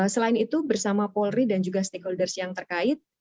selain itu bersama polri dan juga stakeholders yang terkait